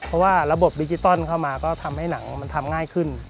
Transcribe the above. เพราะว่าระบบดิจิตอลเข้ามาก็ทำให้หนังมันทำง่ายขึ้น